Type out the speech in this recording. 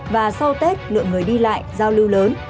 và sau tết lượng người đi lại giao lưu lớn